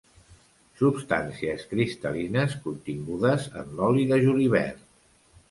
Substàncies cristal·lines contingudes en l'oli de julivert.